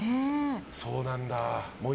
そうなんだ。